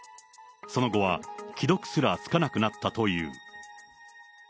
その後は既読すらつかなくなったという。